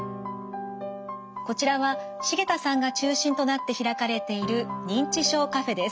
こちらは繁田さんが中心となって開かれている認知症カフェです。